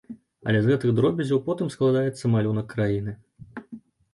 Але з гэтых дробязяў потым складаецца малюнак краіны.